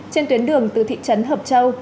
trên tuyến đường từ thị trấn hợp châu